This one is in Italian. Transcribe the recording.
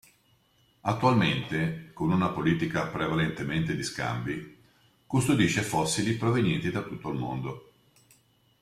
Attualmente, con una politica prevalentemente di scambi, custodisce fossili provenienti da tutto il mondo.